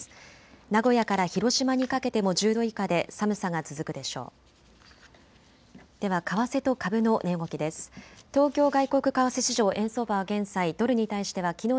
名古屋から広島にかけても１０度以下で寒さが続くでしょう。